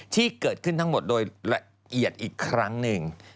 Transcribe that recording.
ที่เกิดขึ้นทั้งหมดโดยละเอียดอีกครั้งหนึ่ง